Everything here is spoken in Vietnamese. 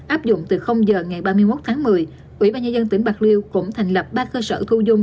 áp dụng từ giờ ngày ba mươi một tháng một mươi ủy ban nhân dân tỉnh bạc liêu cũng thành lập ba cơ sở thu dung